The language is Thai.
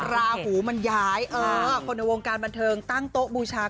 ราหูมันย้ายคนในวงการบันเทิงตั้งโต๊ะบูชา